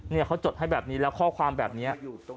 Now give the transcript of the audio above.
เนี่ยเขาจดให้แบบนี้แล้วข้อความแบบนี้